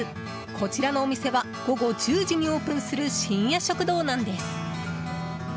こちらのお店は午後１０時にオープンする深夜食堂なんです。